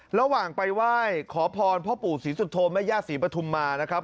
ระหว่างไปไหว้ขอพรพ่อปู่ศรีสุโธแม่ย่าศรีปฐุมมานะครับ